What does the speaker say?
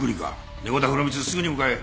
猫田風呂光すぐに向かえ！